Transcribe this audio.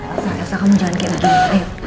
asal asal asal kamu jangan kayak begini ayo